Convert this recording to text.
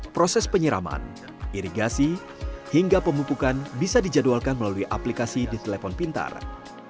proses penyiraman irigasi hingga pemupukan bisa dijadwalkan melalui aplikasi di teluk muda keren